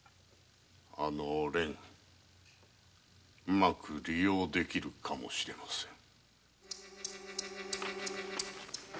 うまく利用できるかもしれません。